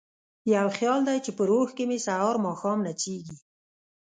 یو خیال دی چې په روح کې مې سهار ماښام نڅیږي